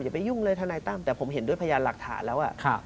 อย่าไปยุ่งเลยท่านายต้ำแต่ผมเห็นด้วยพยานหลักฐานแล้วอ่ะครับ